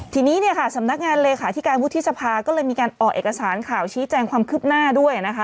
ทีนี้เนี่ยค่ะสำนักงานเลขาธิการวุฒิสภาก็เลยมีการออกเอกสารข่าวชี้แจงความคืบหน้าด้วยนะคะ